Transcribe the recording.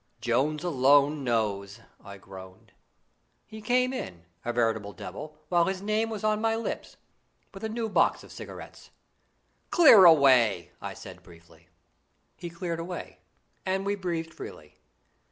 "Jones alone knows," I groaned. He came in a veritable devil while his name was on my lips, with a new box of cigarettes. "Clear away!" I said briefly. He cleared away, and we breathed freely.